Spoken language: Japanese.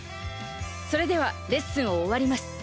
それではレッスンを終わります。